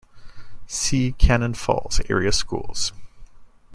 See Cannon Falls Area Schools.